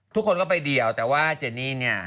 ทุกคนก็ไปเดียวแต่ว่าเจนี่เนี่ย